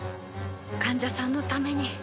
患者さんのために